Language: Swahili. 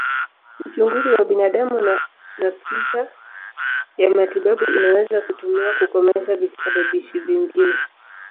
Uchunguzi wa damu na picha ya matibabu inaweza kutumiwa kukomesha visababishi vingine.